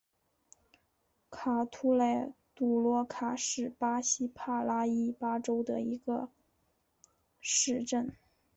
卡图莱杜罗卡是巴西帕拉伊巴州的一个市镇。